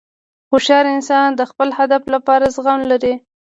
هوښیار انسان د خپل هدف لپاره زغم لري.